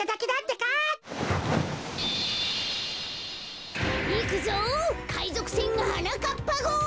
かいぞくせんはなかっぱごう！